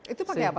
itu pake apa